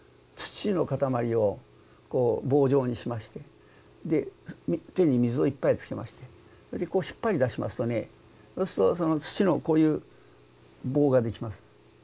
土の塊を棒状にしましてで手に水をいっぱいつけましてそれでこう引っ張り出しますとねそうすると土のこういう棒ができます。